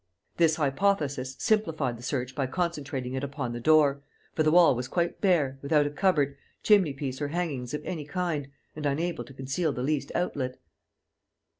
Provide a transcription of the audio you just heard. This hypothesis simplified the search by concentrating it upon the door; for the wall was quite bare, without a cupboard, chimney piece or hangings of any kind, and unable to conceal the least outlet.